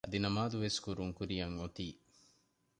އަދި ނަމާދުވެސް ކުރަން ކުރިޔަށް އޮތީ